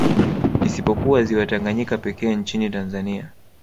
Isipokuwa ziwa Tanganyika pekee nchini Tanzania